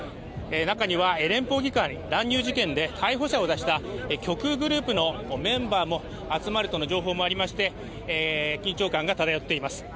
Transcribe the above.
中には連邦議会乱入事件で逮捕者を出した極右グループのメンバーも集まるとの情報もありまして、緊張感が漂っています。